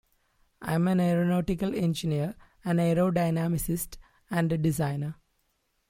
I am an aeronautical engineer, an aerodynamicist and a designer.